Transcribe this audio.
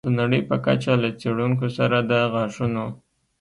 د نړۍ په کچه له څېړونکو سره د غاښونو